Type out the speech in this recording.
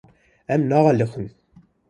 Em nealiqîn.